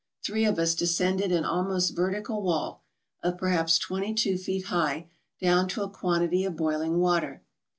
Three of us descended an almost vertical wall, of perhaps twenty two feet high, down to a quantity of boiling water.